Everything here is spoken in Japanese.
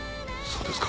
そうですか。